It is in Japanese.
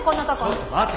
ちょっと待て。